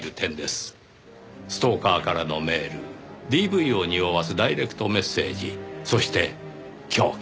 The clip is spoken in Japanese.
ストーカーからのメールＤＶをにおわすダイレクトメッセージそして凶器。